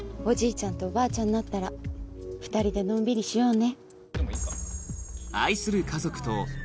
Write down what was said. ちゃんとおばあちゃんになったら２人でのんびりしようね。